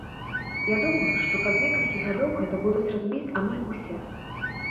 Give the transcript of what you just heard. Я думаю, што праз некалькі гадоў гэта будуць разумець амаль усе!